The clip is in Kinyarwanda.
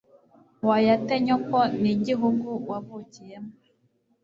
wayate nyoko n'igihugu wavukiyemo